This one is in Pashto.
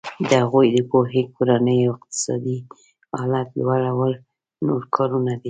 د هغوی د پوهې کورني او اقتصادي حالت لوړول نور کارونه دي.